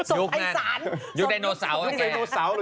ยุคไดโนเสาร์